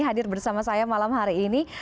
hadir bersama saya malam hari ini